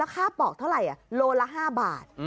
ค่าปอกเท่าไหร่โลละ๕บาท